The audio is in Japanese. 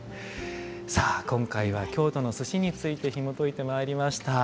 さあ今回は「京都の寿司」についてひもといてまいりました。